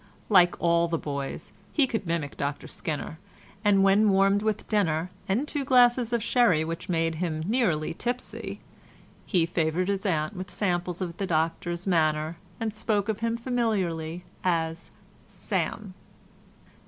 Like all the boys, he could mimic Dr Skinner, and when warmed with dinner, and two glasses of sherry which made him nearly tipsy, he favoured his aunt with samples of the Doctor's manner and spoke of him familiarly as "Sam."